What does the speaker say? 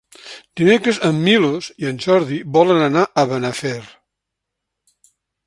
Dimecres en Milos i en Jordi volen anar a Benafer.